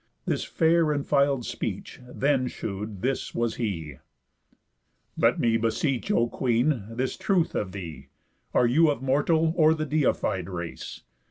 This fair and fil'd speech then shew'd this was he: "Let me beseech, O queen, this truth of thee, Are you of mortal, or the defied, race?